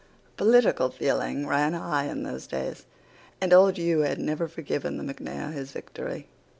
Political feeling ran high in those days, and old Hugh had never forgiven the MacNair his victory.